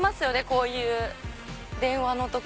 こういう電話の所。